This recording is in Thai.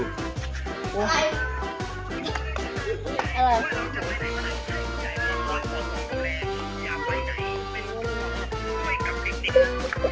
แม่งอยากไปไหนเป็นกลัวไม่กลับดิ๊กดิ๊ก